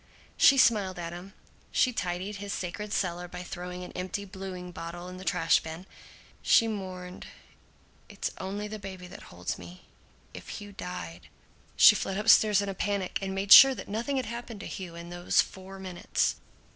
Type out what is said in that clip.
She smiled at him. She tidied his sacred cellar by throwing an empty bluing bottle into the trash bin. She mourned, "It's only the baby that holds me. If Hugh died " She fled upstairs in panic and made sure that nothing had happened to Hugh in these four minutes.